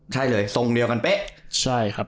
ใช่เลยส่งเดียวกันเป๊ะ